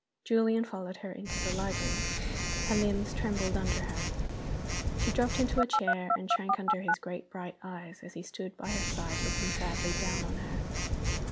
Julian followed her into the library. Her limbs trembled under her. She dropped into a chair, and shrank under his great bright eyes, as he stood by her side looking sadly down on her.